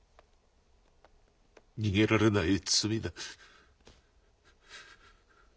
逃げられない罪だ。